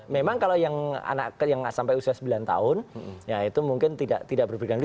memang kalau yang anak yang sampai usia sembilan tahun ya itu mungkin tidak berpikir